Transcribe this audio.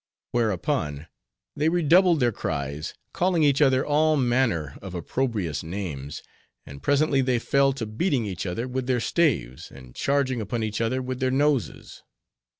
Whereupon, they redoubled their cries, calling each other all manner of opprobrious names, and presently they fell to beating each other with their staves, and charging upon each other with their noses.